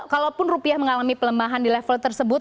kalaupun rupiah mengalami pelemahan di level tersebut